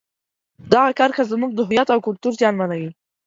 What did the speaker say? دغه کرښه زموږ د هویت او کلتور زیانمنوي.